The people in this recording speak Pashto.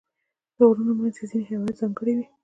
د غرونو منځ کې ځینې حیوانات ځانګړي وي.